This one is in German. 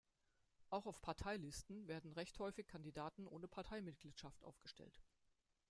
Auch auf Parteilisten werden recht häufig Kandidaten ohne Parteimitgliedschaft aufgestellt.